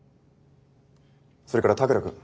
それから田倉君。